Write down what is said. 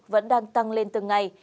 vẫn đang tăng lên từng ngày